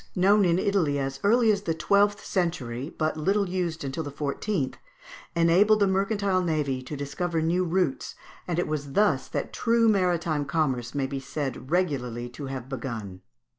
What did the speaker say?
] The compass known in Italy as early as the twelfth century, but little used until the fourteenth enabled the mercantile navy to discover new routes, and it was thus that true maritime commerce may be said regularly to have begun.